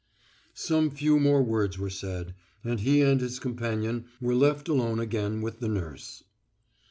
Some few more words were said, and he and his companion were left alone again with the nurse.